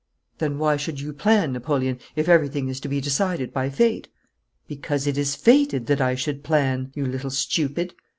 'Then why should you plan, Napoleon, if everything is to be decided by Fate?' 'Because it is fated that I should plan, you little stupid.